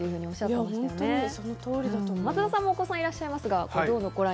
松田さんも、お子さんいらっしゃいますが。